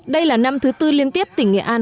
đây là năm thứ tư liên tiếp tỉnh nghệ an